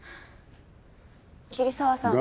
桐沢さん。